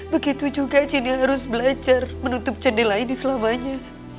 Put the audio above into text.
begitu juga jendela harus belajar menutup jendela ini selamanya